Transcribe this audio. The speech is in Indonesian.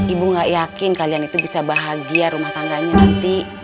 ibu gak yakin kalian itu bisa bahagia rumah tangganya nanti